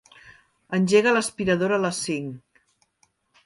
Engega l'aspiradora a les cinc.